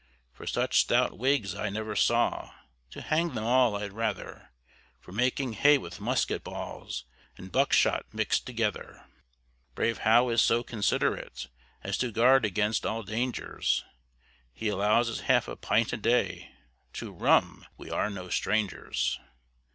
For such stout whigs I never saw, To hang them all I'd rather; For making hay with musket balls, And buckshot mixt together. Brave Howe is so considerate, As to guard against all dangers: He allows us half a pint a day To rum we are no strangers.